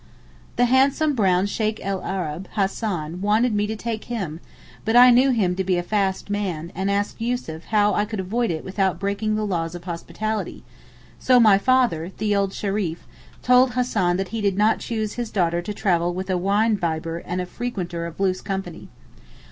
The handsome brown Sheykh el Arab, Hassan, wanted me to take him, but I knew him to be a 'fast' man, and asked Yussuf how I could avoid it without breaking the laws of hospitality, so my 'father,' the old Shereef, told Hassan that he did not choose his daughter to travel with a wine bibber and a frequenter of loose company.